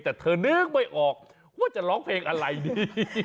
แต่เธอนึกไม่ออกว่าจะร้องเพลงอะไรดี